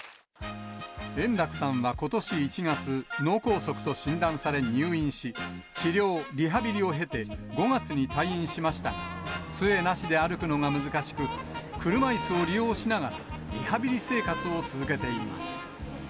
円楽さんはことし１月、脳梗塞と診断され入院し、治療、リハビリを経て、５月に退院しましたが、つえなしで歩くのが難しく、車いすを利用しながら、リハビリ生活を続けています。